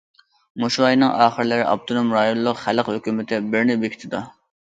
مۇشۇ ئاينىڭ ئاخىرلىرى ئاپتونوم رايونلۇق خەلق ھۆكۈمىتى بىرنى بېكىتىدۇ.